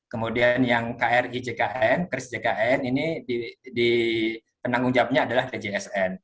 kemudian yang kri jkn kris jkn ini di penanggung jawabnya adalah djsn